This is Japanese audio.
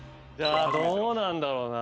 どうなんだろうな。